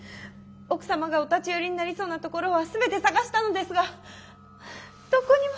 奥様がお立ち寄りになりそうな所は全て捜したのですがどこにも。